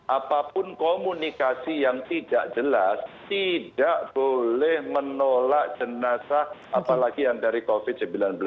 apapun komunikasi yang tidak jelas tidak boleh menolak jenazah apalagi yang dari covid sembilan belas